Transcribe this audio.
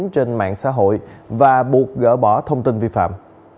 trên mạng xã hội và buộc gỡ bỏ thông tin vi phạm